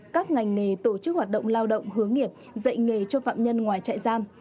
các ngành nghề tổ chức hoạt động lao động hướng nghiệp dạy nghề cho phạm nhân ngoài trại giam